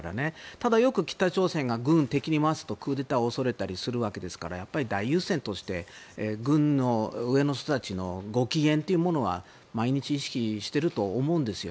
ただ、よく北朝鮮が軍を敵に回すとクーデターを恐れたりするわけですからやっぱり大優先として軍の上の人たちのご機嫌というものは毎日、意識していると思います。